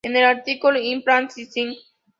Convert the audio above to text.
En el artículo "In Plane Sight?